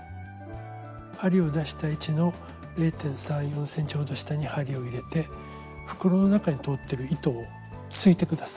針を出した位置の０．３０．４ｃｍほど下に針を入れて袋の中に通ってる糸を突いて下さい。